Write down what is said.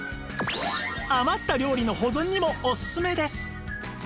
余った料理の保存にもオススメです！